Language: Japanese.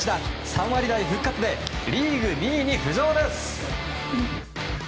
３割台復活でリーグ２位に浮上です。